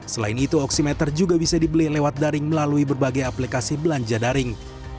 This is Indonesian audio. selain itu oksimeter juga bisa dibeli lewat daring melalui berbagai aplikasi belanja daring